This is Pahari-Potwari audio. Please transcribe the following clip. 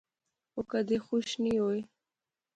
او کیدے خوش نی ہوئے